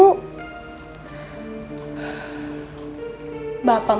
bapak memeras orang